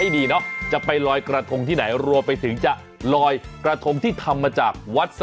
นางนบพระมาศ